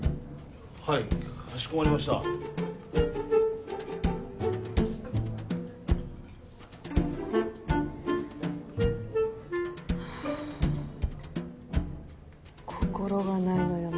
はいかしこまりました心がないのよね